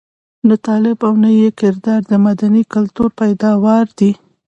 نه طالب او نه یې کردار د مدني کلتور پيداوار دي.